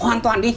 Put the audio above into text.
hoàn toàn đi